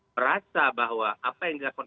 merasa bahwa apa yang dilakukan